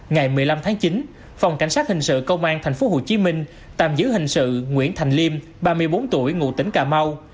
ngày một mươi năm tháng chín phòng cảnh sát hình sự công an tp hcm tạm giữ hình sự nguyễn thành liêm ba mươi bốn tuổi ngụ tỉnh cà mau